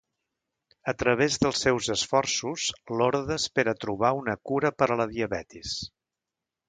A través dels seus esforços, l'orde espera trobar una cura per a la diabetis.